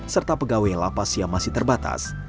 serta pegawai lapas yang masih terbatas